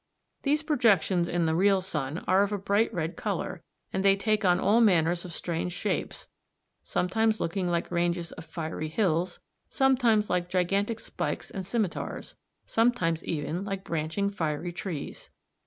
These projections in the real sun are of a bright red colour, and they take on all manners of strange shapes, sometimes looking like ranges of fiery hills, sometimes like gigantic spikes and scimitars, sometimes even like branching fiery trees.